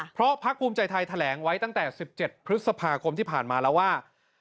เพราะพักภูมิใจไทยแถลงไว้ตั้งแต่๑๗พฤษภาคมที่ผ่านมาแล้วว่า